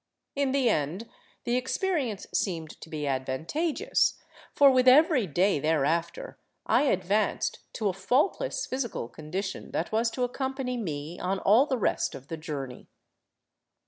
In the end the experience seemed to be advantageous, for with every day thereafter I advanced to a fault less physical condition that was to accompany me on all the rest of the journey.